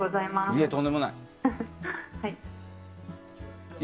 いえ、とんでもない。